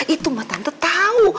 itu mah tante tau